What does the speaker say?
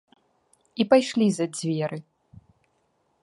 І пайшлі за дзверы.